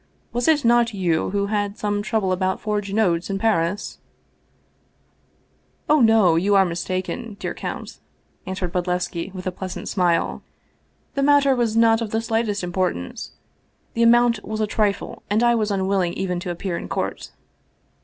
Was it not you who had some trouble about forged notes in Paris ?"" Oh, no ! You are mistaken, dear count !" answered Bodlevski, with a pleasant smile. " The matter was not of the slightest importance. The amount was a trifle and I was unwilling even to appear in court